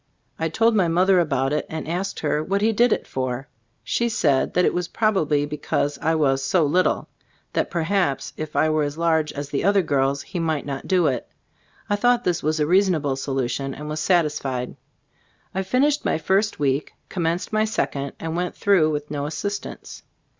I told my mother about it and asked her what he did it for? She said that it was probably because I was "so little." That per haps if I were as large as the other girls he might not do it. I thought this a reasonable solution and was sat isfied. I finished my first week, commenced my second, and went through with no assistance.